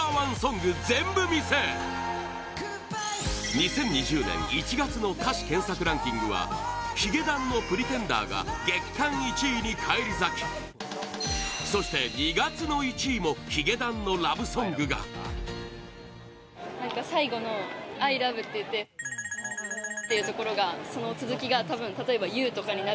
２０２０年１月の歌詞検索ランキングはヒゲダンの「Ｐｒｅｔｅｎｄｅｒ」が月間１位に返り咲きそして２月の１位もヒゲダンのラブソングが「ＩＬＯＶＥ．．．」は２月から３か月連続で歌詞検索ランキング